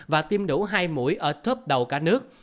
và tiêm đủ hai mũi ở top đầu cả nước